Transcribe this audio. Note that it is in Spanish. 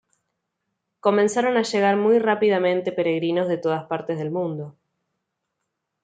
Comenzaron a llegar muy rápidamente peregrinos de todas partes del mundo.